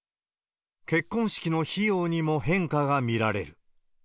結婚式の費用にも変化が見られる。